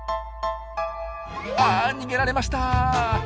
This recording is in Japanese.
あ逃げられました。